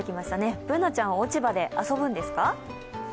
Ｂｏｏｎａちゃんは落ち葉で遊ぶんですか？